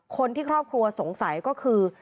ครอบครัวสงสัยก็คือ